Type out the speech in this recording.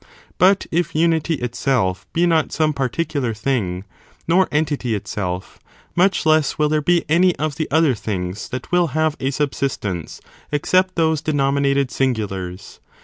But, if imity itself be not some particular thing, nor entity itself, much less will there be any of the other things that will have a subsistence, except those denominated singulars.